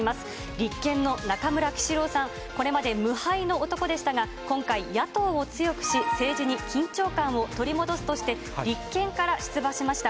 立憲の中村喜四郎さん、これまで無敗の男でしたが、今回、野党を強くし、政治に緊張感を取り戻すとして、立憲から出馬しました。